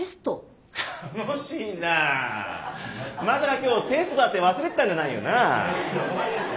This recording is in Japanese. まさか今日テストだって忘れてたんじゃないよな？